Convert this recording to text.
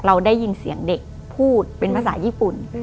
เราได้ยินเสียงเด็กพูดเป็นภาษาญี่ปุ่น